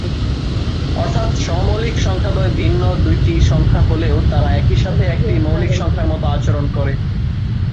অর্থাৎ সহ-মৌলিক সংখ্যাদ্বয় ভিন্ন দুইটি সংখ্যা হলেও তারা একই সাথে একটি মৌলিক সংখ্যার মত আচরণ করে।